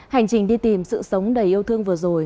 hành trình đi tìm sự sống đầy yêu thương vừa rồi